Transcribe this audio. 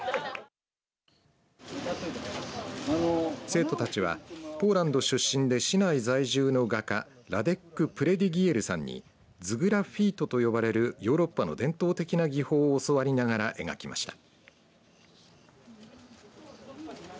生徒たちはポーランド出身で市内在住の画家ラデック・プレディギエルさんにズグラッフィートと呼ばれるヨーロッパの伝統的な技法を教わりながら描きました。